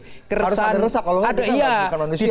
harus ada resah kalau ada kan